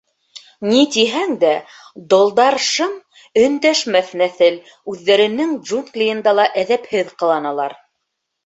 Ни тиһәң дә, долдар — шым, өндәшмәҫ нәҫел, үҙҙәренең джунглийында ла әҙәпһеҙ ҡыланалар.